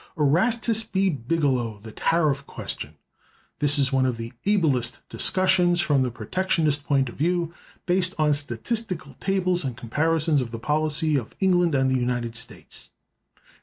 Erastus B. Bigelow's "The Tariff Question." This is one of the ablest discussions, from the protectionist point of view, based on statistical tables and comparisons of the policy of England and the United States.